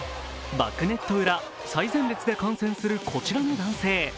バックネット裏、最前列で観戦するこちらの男性。